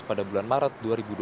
pada bulan maret dua ribu dua puluh